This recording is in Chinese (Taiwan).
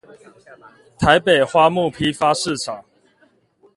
台北花木批發市場